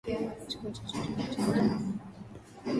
Chukua chochote unachoweza kunyakua